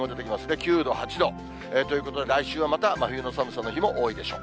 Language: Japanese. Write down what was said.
９度、８度、ということで来週はまた、真冬の寒さの日も多いでしょう。